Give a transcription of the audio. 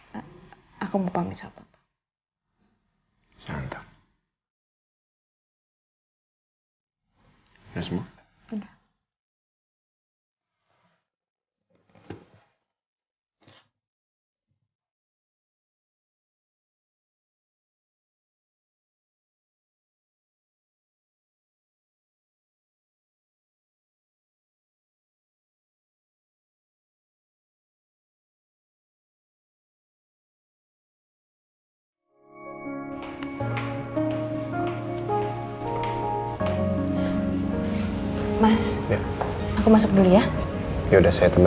gak apa apa kan kamu nunggu di luar